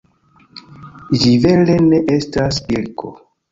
Ĝi vere ne estas pilko.